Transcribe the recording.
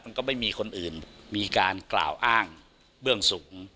มันก็ไม่มีคนอื่นมีการกล่าวอ้างเบื้องสูง